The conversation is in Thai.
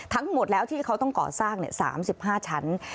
ทั้งหมดแล้วที่เขาต้องก่อสร้าง๓๕ชั้น